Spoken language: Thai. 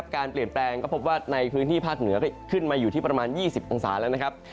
การเปลี่ยนแปลงก็พบว่าในพื้นที่ภาคเหนือก็ขึ้นมาอยู่ที่ประมาณ๒๐องศาแล้วนะครับ